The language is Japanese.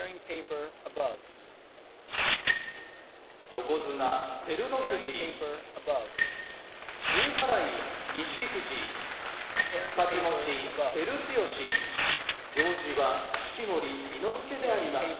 横綱照ノ富士露払い錦富士太刀持ち照強行司は式守伊之助であります。